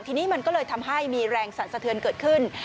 ทีนี้มันก็เลยทำให้มีแรงสรรสะเทือนเกิดขึ้น